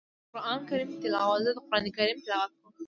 زه د قران کریم تلاوت کوم.